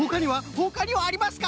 ほかにはありますか？